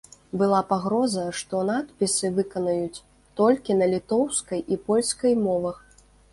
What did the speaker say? Была пагроза, што надпісы выканаюць толькі на літоўскай і польскай мовах.